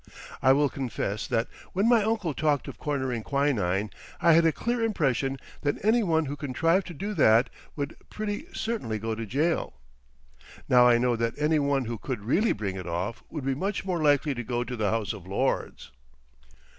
I will confess that when my uncle talked of cornering quinine, I had a clear impression that any one who contrived to do that would pretty certainly go to jail. Now I know that any one who could really bring it off would be much more likely to go to the House of Lords!